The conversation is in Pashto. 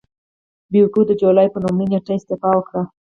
یوبیکو د جولای پر لومړۍ نېټه استعفا وکړه.